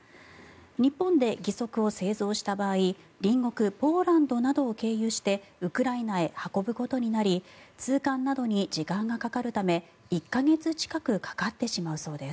日本で義足を製造した場合隣国ポーランドなどを経由してウクライナへ運ぶことになり通関などに時間がかかるため１か月近くかかってしまうそうです。